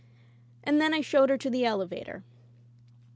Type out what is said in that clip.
And then I showed her to the elevator.